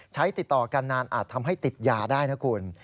ติดต่อกันนานอาจทำให้ติดยาได้นะคุณ